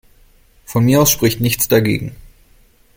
Von mir aus spricht nichts dagegen.